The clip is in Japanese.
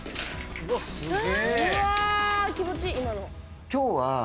うわあ気持ちいい今の。